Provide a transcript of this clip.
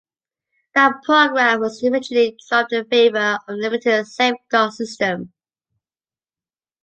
That program was eventually dropped in favor of the limited Safeguard system.